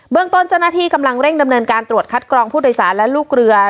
เรื่องต้นเจ้าหน้าที่กำลังเร่งดำเนินการตรวจคัดกรองผู้โดยสารและลูกเรือ